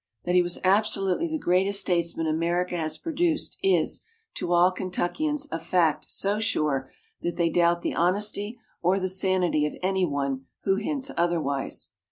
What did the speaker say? That he was absolutely the greatest statesman America has produced is, to all Kentuckians, a fact so sure that they doubt the honesty or the sanity of any one who hints otherwise.